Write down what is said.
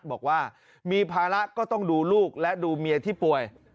บอกว่ามีภาระก็ต้องดูลูกและดูเมียที่ป่วย